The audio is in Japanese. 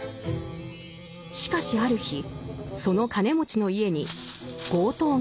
しかしある日その金持ちの家に強盗が侵入する。